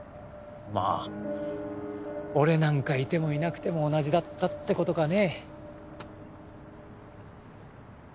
まあ俺なんかいてもいなくても同じだったってことかね